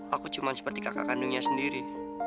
aku cuma seperti kakak kandungnya sendiri